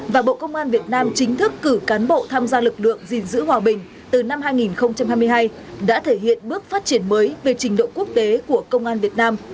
và bộ công an việt nam chính thức cử cán bộ tham gia lực lượng gìn giữ hòa bình từ năm hai nghìn hai mươi hai đã thể hiện bước phát triển mới về trình độ quốc tế của công an việt nam